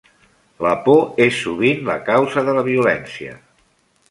La por és sovint la causa de la violència.